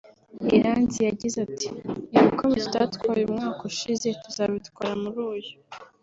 Iranzi yagize ati” Ibikombe tutatwaye umwaka ushize tuzabitwara muri uyu